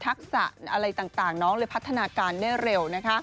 ทักษะอะไรต่างน้องเลยพัฒนาการได้เร็ว